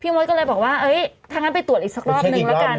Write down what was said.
มดก็เลยบอกว่าถ้างั้นไปตรวจอีกสักรอบนึงแล้วกัน